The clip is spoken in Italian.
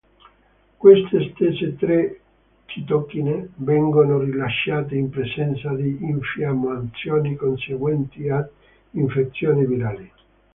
Queste stesse tre citochine vengono rilasciate in presenza di infiammazioni conseguenti ad infezioni virali.